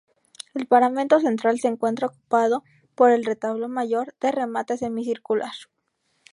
El paramento central se encuentra ocupado por el retablo mayor, de remate semicircular.